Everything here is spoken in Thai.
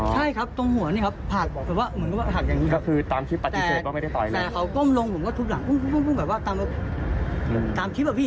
ใช่ครับตรงหัวนะครับผ่าขาก